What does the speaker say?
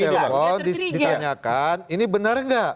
di telepon ditanyakan ini benar nggak